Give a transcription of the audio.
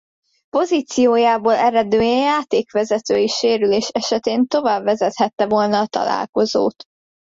Pozíciójából eredően játékvezetői sérülés esetén továbbvezethette volna a találkozót.